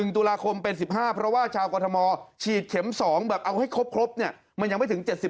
๑ตุลาคมเป็น๑๕เพราะว่าชาวกรทมฉีดเข็ม๒แบบเอาให้ครบเนี่ยมันยังไม่ถึง๗๐